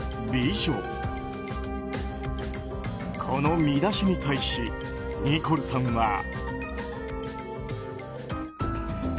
この見出しに対しニコルさんは。